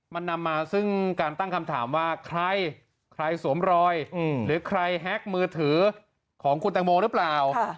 มันนำมาซึ่งการตั้งคำถามว่าใครใครสวมรอยหรือใครแฮ็กมือถือของคุณตังโมหรือเปล่า